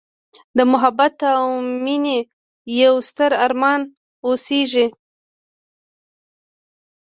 د محبت او میینې یوستر ارمان اوسیږې